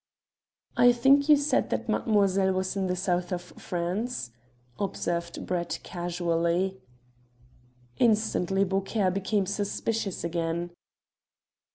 "I think you said that mademoiselle was in the South of France?" observed Brett casually. Instantly Beaucaire became suspicious again.